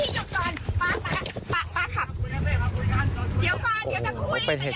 ช่วยด้วย